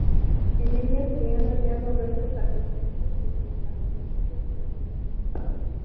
En ellas se han hallado restos arqueológicos desde el paleolítico al mesolítico.